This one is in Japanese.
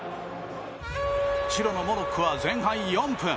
白のモロッコは前半４分。